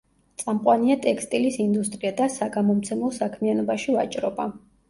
წამყვანია ტექსტილის ინდუსტრია და საგამომცემლო საქმიანობაში ვაჭრობა.